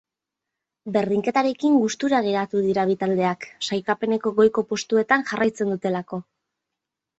Berdinketarekin gustura geratu dira bi taldeak, sailkapeneko goiko postuetan jarraitzen dutelako.